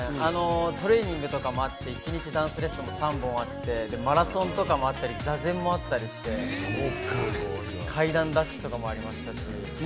トレーニングもあって一日ダンスレッスンも３本あって、マラソンとかもあって座禅もあって、階段ダッシュもありました。